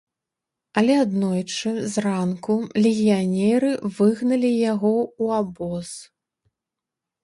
Але аднойчы зранку легіянеры выгналі яго ў абоз.